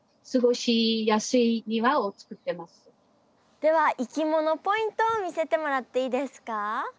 ではいきものポイントを見せてもらっていいですか？